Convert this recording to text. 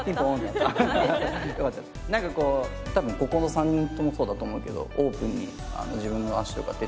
なんかこう多分ここの３人ともそうだと思うけどオープンに自分の足とか手とかを出してる。